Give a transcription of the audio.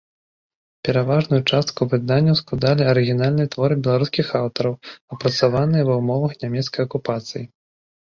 Пераважную частку выданняў складалі арыгінальныя творы беларускіх аўтараў, апрацаваныя ва ўмовах нямецкай акупацыі.